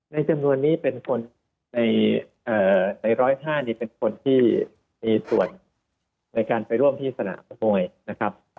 จำนวนนี้เป็นคนใน๑๐๕นี่เป็นคนที่มีส่วนในการไปร่วมที่สนามมวยนะครับ